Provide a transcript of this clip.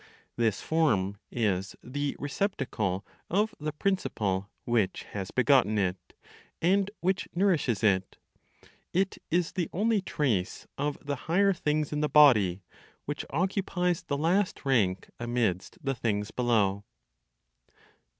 This (form) is the receptacle of the principle which has begotten it, and which nourishes it. It is the only trace of the higher things in the body, which occupies the last rank amidst the things below.